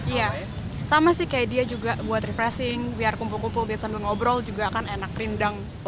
iya sama sih kayak dia juga buat refreshing biar kumpul kumpul biar sambil ngobrol juga kan enak rindang